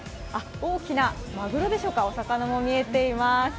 大きなまぐろでしょうか、お魚も見えています。